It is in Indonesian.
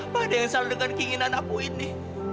pak ada yang salah dengan keinginan aku ini